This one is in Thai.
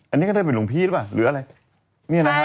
อันนี้ก็ได้เป็นหลวงพี่หรือเปล่าหรืออะไร